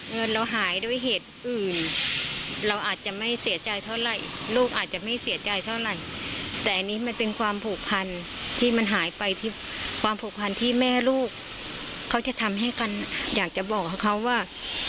เงินเราหายด้วยเหตุอื่นเราอาจจะไม่เสียใจเท่าไหร่ลูกอาจจะไม่เสียใจเท่าไหร่แต่อันนี้มันเป็นความผูกพันที่มันหายไปที่ความผูกพันที่แม่ลูกเขาจะทำให้กันอยากจะบอกกับเขาว่า